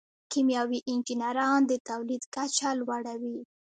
کیمیاوي انجینران د تولید کچه لوړوي.